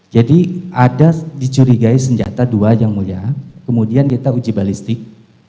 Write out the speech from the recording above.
jadi ada dicurigai senjata dua ya mulia kemudian kita uji balistik